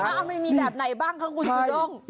ว่ามันต้องมีแบบไหนบ้างครับคุณจูด้ม